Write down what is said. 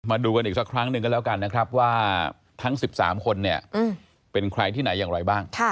มาดูกันอีกสักครั้งหนึ่งกันแล้วกันนะครับว่าทั้ง๑๓คนเนี่ยเป็นใครที่ไหนอย่างไรบ้าง